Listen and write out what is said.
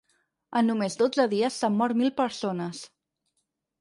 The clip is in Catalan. En només dotze dies s’han mort mil persones.